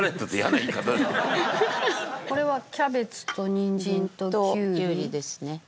これはキャベツとニンジンときゅうりですね。